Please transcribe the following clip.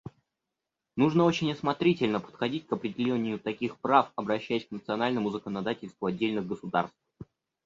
Нужно очень осмотрительно подходить к определению таких прав, обращаясь к национальному законодательству отдельных государств.